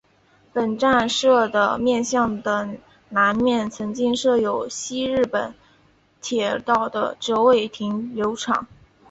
本站舍的面向的南面曾经设有西日本铁道的折尾停留场。